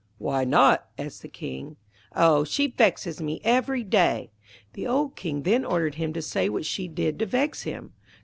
'Why not?' asked the King. 'Oh, she vexes me every day.' The old King then ordered him to say what she did to vex him.